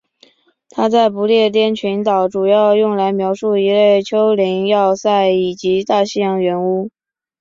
它在不列颠群岛主要用来描述一类丘陵要塞以及大西洋圆屋。